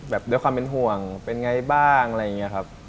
ด้วยความเป็นห่วงเป็นไงบ้างอะไรอย่างนี้ครับ